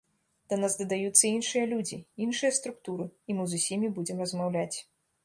Да нас дадаюцца іншыя людзі, іншыя структуры, і мы з усімі будзем размаўляць.